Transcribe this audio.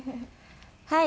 はい。